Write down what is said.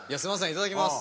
いただきます！